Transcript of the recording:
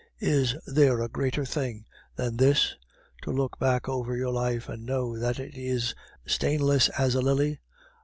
Is there a greater thing than this to look back over your life and know that it is stainless as a lily?